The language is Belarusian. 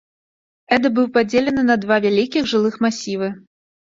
Эда быў падзелены на два вялікіх жылых масівы.